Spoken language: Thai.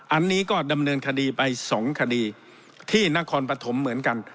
อันนี้ก็ดำเนินคดีไป๒คดีที่นครปฐมเหมือนกัน